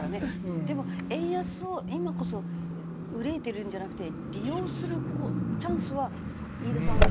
でも円安を今こそ憂いてるんじゃなくて利用するチャンスは飯田さん